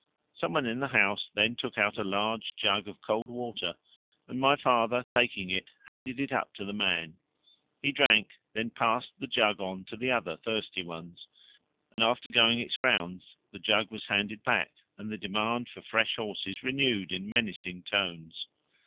Some one in the house then took out a large jug of cold water, and my father taking it handed it up to the man; he drank, then passed the jug on to the other thirsty ones, and after going its rounds the jug was handed back and the demand for fresh horses renewed in menacing tones.